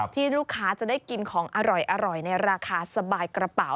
ที่ลูกค้าจะได้กินของอร่อยในราคาสบายกระเป๋า